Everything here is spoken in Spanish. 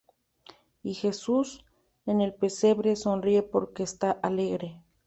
Y Jesús, en el pesebre, sonríe porque está alegre.